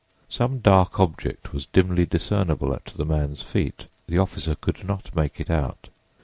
Some dark object was dimly discernible at the man's feet; the officer could not make it out.